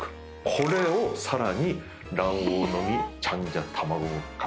これをさらに卵黄のみチャンジャたまごかけ